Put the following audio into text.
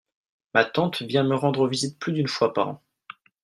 Ma tante vient me rendre visite plus d'une fois par an.